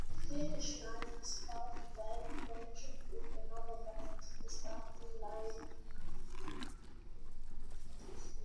"Finish Line" is about the band's friendship with another band, The Starting Line.